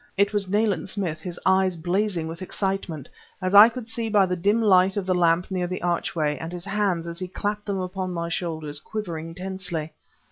It was Nayland Smith, his eyes blazing with excitement, as I could see by the dim light of the lamp near the archway, and his hands, as he clapped them upon my shoulders, quivering tensely.